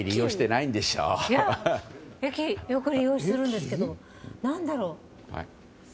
いや、よく利用するんですけど何だろう。